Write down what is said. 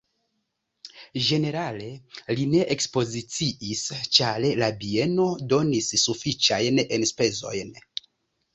Ĝenerale li ne ekspoziciis, ĉar la bieno donis sufiĉajn enspezojn.